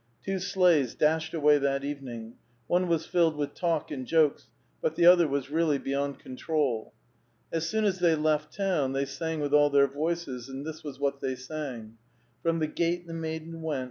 Two sleighs dashed away that evening. One was filled with talk and jokes, but the other was really beyond con trol. As soon as they left town, they sang with all their voices, and this was what they sang :—'* From the gate the maiden went.